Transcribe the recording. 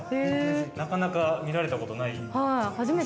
なかなか見られたことない。